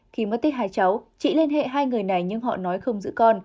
khi mất tích hai cháu chị liên hệ hai người này nhưng họ nói không giữ con